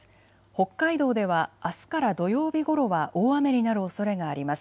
北海道ではあすから土曜日ごろは大雨になるおそれがあります。